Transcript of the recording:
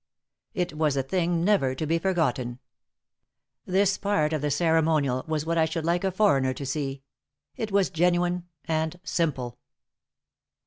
It was a thing never to be forgotten. This part of the ceremonial was what I should like a foreigner to see. It was genuine and simple.